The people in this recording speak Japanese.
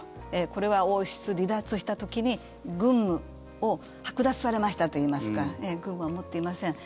これは王室離脱した時に軍務をはく奪されましたといいますか軍務を持っていません。